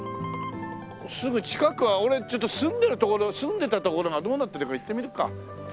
すぐ近くが俺ちょっと住んでるところ住んでたところがどうなってるか行ってみるか。